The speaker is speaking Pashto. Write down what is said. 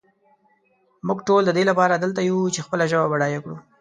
مونږ ټول ددې لپاره دلته یو چې خپله ژبه بډایه کړو.